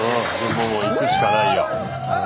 もういくしかないよ。